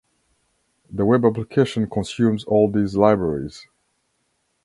The web application consumes all these libraries